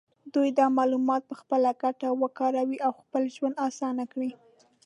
دوی دا معلومات په خپله ګټه وکاروي او خپل ژوند اسانه کړي.